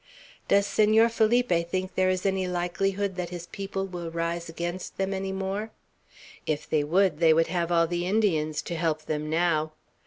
Does Senor Felipe think there is any likelihood that his people will rise against them any more? If they would, they would have all the Indians to help them, now.